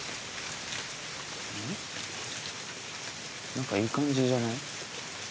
なんかいい感じじゃない？